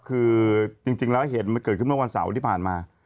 คือจริงแล้วเหตุมันเกิดขึ้นเมื่อวันเสาร์ที่ผ่านมา